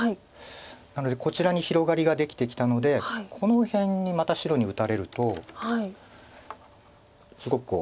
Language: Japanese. なのでこちらに広がりができてきたのでこの辺にまた白に打たれるとすごくこう。